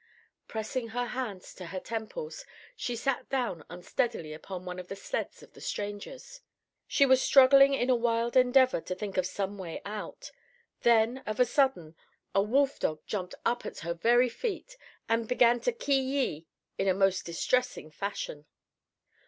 Pressing her hands to her temples, she sat down unsteadily upon one of the sleds of the strangers. She was struggling in a wild endeavor to think of some way out. Then, of a sudden, a wolfdog jumped up at her very feet and began to ki yi in a most distressing fashion.